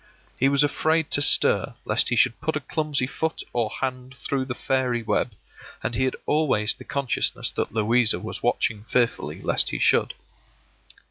He was afraid to stir lest he should put a clumsy foot or hand through the fairy web, and he had always the consciousness that Louisa was watching fearfully lest he should.